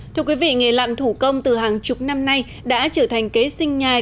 thưa quý vị nghề lặn thủ công từ hàng chục năm nay đã trở thành kế sinh nhai